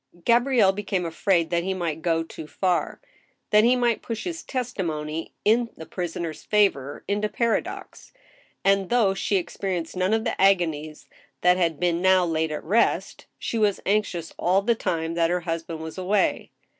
» Gabrielle became afraid that he might go too far ; that he might push his testimony in the prisoner's favor into paradox, and, though she experienced none of the agonies that had been now laid at rest, she was anxious all the time that her husband was away.